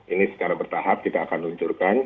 ini secara bertahap kita akan luncurkan